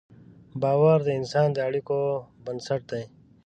باور د انسان د اړیکو بنسټ دی.